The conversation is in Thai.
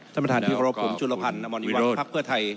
ท่านประธานพิทาริมเจริรัติคุณทุรพันธ์อมริวัติภักดิ์เพื่อไทย